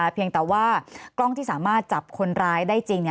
เพียงแต่ว่ากล้องที่สามารถจับคนร้ายได้จริง